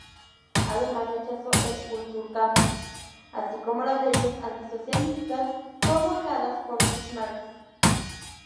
Además, rechazó el "Kulturkampf", así como las leyes anti-socialistas promulgadas por Bismarck.